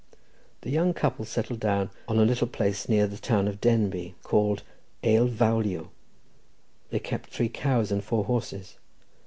The young couple settled down on a little place near the town of Denbigh, called Ale Fowlio. They kept three cows and four horses.